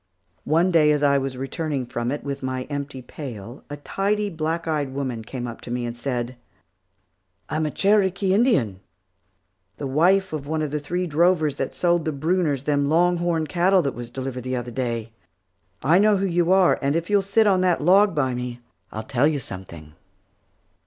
One day as I was returning from it with my empty pail, a tidy, black eyed woman came up to me and said, "I'm a Cherokee Indian, the wife of one of the three drovers that sold the Brunners them long horned cattle that was delivered the other day. I know who you are, and if you'll sit on that log by me, I'll tell you something."